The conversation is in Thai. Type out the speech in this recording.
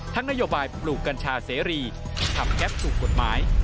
นโยบายปลูกกัญชาเสรีทำแก๊ปถูกกฎหมาย